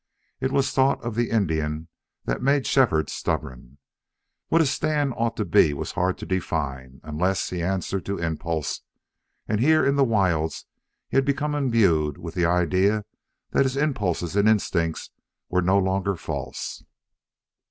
It was thought of the Indian that made Shefford stubborn. What his stand ought to be was hard to define, unless he answered to impulse; and here in the wilds he had become imbued with the idea that his impulses and instincts were no longer false.